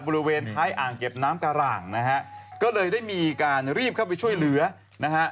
บริเวณท้ายอ่างเก็บน้ำกระหล่างนะฮะก็เลยได้มีการรีบเข้าไปช่วยเหลือนะฮะ